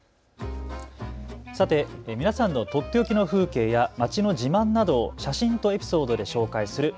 皆さんのとっておきの風景や街の自慢などを写真とエピソードで紹介する＃